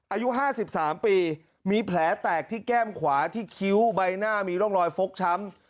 อายุ๕๓ปีมีแผลแตกที่แก้มขวาที่คิ้วใบหน้ามีร่องรอยฟกช้ำ